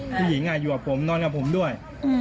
ผู้หญิงอยู่กับผมนอนกับผมด้วย